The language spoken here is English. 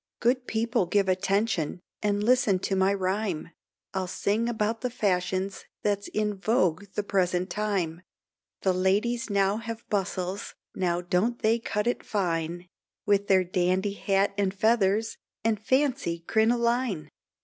Good people give attention, and listen to my rhyme, I'll sing about the fashions that's in vogue the present time, The ladies now have bustles, now don't they cut it fine, With their dandy hat and feathers, and fancy crinoline?